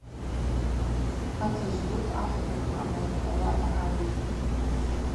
Атажв-уыд ахӏвра ду амылхӏвауа дгӏагӏвитӏ.